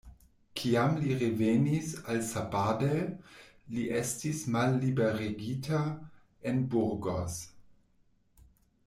Kiam li revenis al Sabadell, li estis malliberigita en Burgos.